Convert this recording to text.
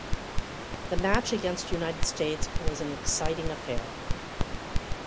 The match against United States, was an exciting affair.